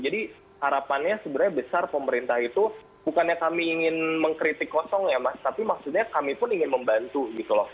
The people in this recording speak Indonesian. jadi harapannya sebenarnya besar pemerintah itu bukannya kami ingin mengkritik kosong ya mas tapi maksudnya kami pun ingin membantu gitu loh